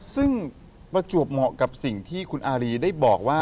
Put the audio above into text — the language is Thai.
ซึ่งประจวบเหมาะกับสิ่งที่คุณอารีได้บอกว่า